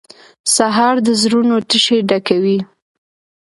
سهار د زړونو تشې ډکوي.